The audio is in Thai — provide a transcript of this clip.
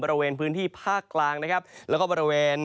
บริเวณพื้นที่ภาคกลางนะครับแล้วก็บริเวณ